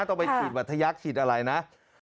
ต้องไปฉีดวัทยักษ์ฉีดอะไรนะ